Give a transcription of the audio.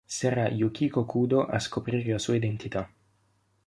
Sarà Yukiko Kudo a scoprire la sua identità.